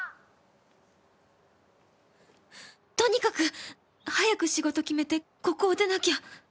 とにかく早く仕事決めてここを出なきゃ！